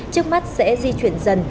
trước mắt sẽ di chuyển dần